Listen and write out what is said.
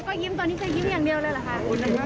ขอบคุณมากครับ